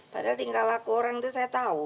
padahal tingkah laku orang tuh saya tahu